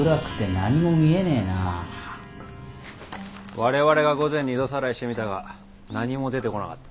我々が午前に井戸さらいしてみたが何も出てこなかった。